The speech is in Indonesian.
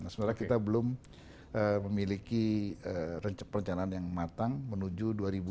sebenarnya kita belum memiliki rencana yang matang menuju dua ribu empat puluh lima